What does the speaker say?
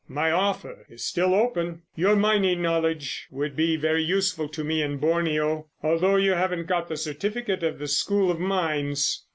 My offer is still open. Your mining knowledge would be very useful to me in Borneo, although you haven't got the certificate of the School of Mines.